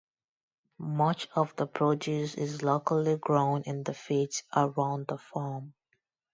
Much of the produce is locally grown in the fields around the farm.